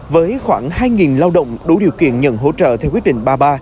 với khoảng hai lao động đủ điều kiện nhận hỗ trợ theo quyết định ba mươi ba